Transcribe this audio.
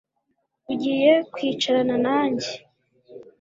Ugiye kwicarana nanjye